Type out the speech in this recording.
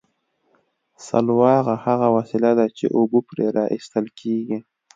سلواغه هغه وسیله ده چې اوبه پرې را ایستل کیږي